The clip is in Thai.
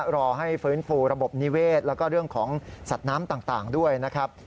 รอให้ฟื้นฟูระบบนิเวศแล้วก็เรื่องของสัตว์น้ำต่างด้วยนะครับ